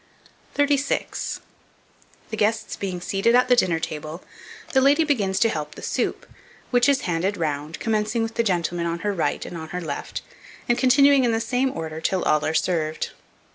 36. THE GUESTS BEING SEATED AT THE DINNER TABLE, the lady begins to help the soup, which is handed round, commencing with the gentleman on her right and on her left, and continuing in the same order till all are served.